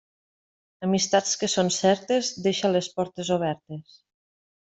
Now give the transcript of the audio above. Amistats que són certes, deixa les portes obertes.